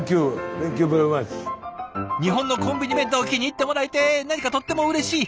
日本のコンビニ弁当を気に入ってもらえて何かとってもうれしい。